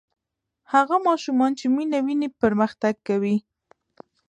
هغه ماشوم چې مینه ویني پرمختګ کوي.